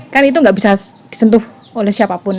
kan itu nggak bisa disentuh oleh siapapun